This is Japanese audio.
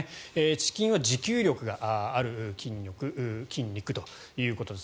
遅筋は持久力がある筋力、筋肉ということです。